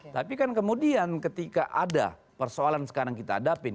tapi kan kemudian ketika ada persoalan sekarang kita hadapin